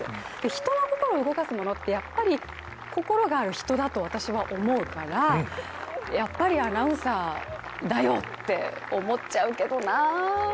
人の心を動かすものってやっぱり心がある人だと思うから、やっぱりアナウンサーだよって思っちゃうけどな。